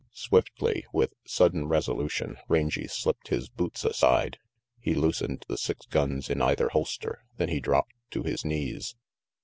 Swiftly, with sudden resolution, Rangy slipped his boots aside; he loosened the six guns in either holster, then he dropped to his knees.